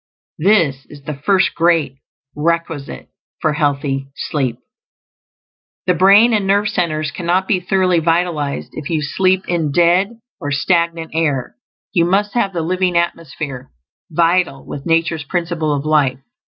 This is the first great requisite for healthy sleep. The brain and nerve centers cannot be thoroughly vitalized if you sleep in "dead" or stagnant air; you must have the living atmosphere, vital with nature's Principle of Life.